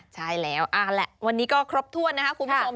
ใช่แล้ววันนี้ก็ครบถ้วนนะครับคุณผู้ชม